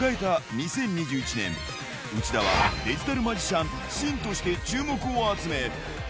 ２０２１年、内田はデジタルマジシャンシンとして注目を集め。